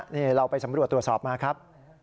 นี่เราไปสำรวจตรวจสอบมาครับ